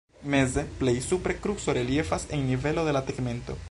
Meze plej supre kruco reliefas en nivelo de la tegmento.